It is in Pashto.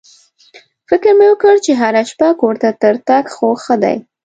فکر مې وکړ چې هره شپه کور ته تر تګ خو ښه دی.